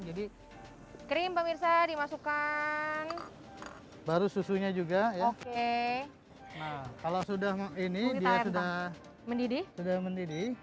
jadi krim pemirsa dimasukkan baru susunya juga oke kalau sudah mau ini dia sudah mendidih sudah mendidih